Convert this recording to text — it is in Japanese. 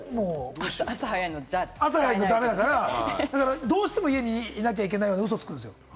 朝早いの駄目だから、どうしても家にいなきゃいけないってウソつくんです。